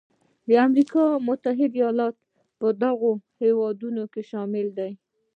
امریکا متحده ایالات په دغو هېوادونو کې شامل دی.